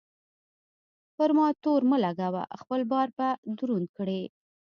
پر ما تور مه لګوه؛ خپل بار به دروند کړې.